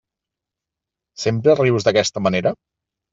Sempre rius d'aquesta manera?